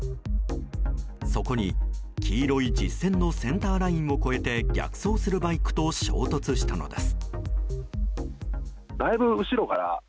そこに黄色い実線のセンターラインを越えて逆走するバイクと衝突したのです。